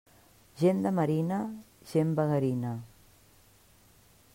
Gent de marina, gent vagarina.